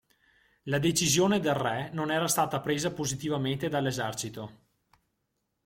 La decisione del Re non era stata presa positivamente dall'esercito.